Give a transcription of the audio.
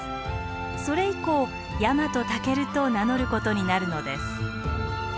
それ以降ヤマトタケルと名乗ることになるのです。